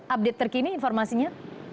update terkini informasinya